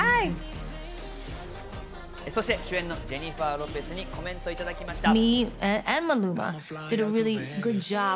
そして主演のジェニファー・ロペスにコメントをいただきました。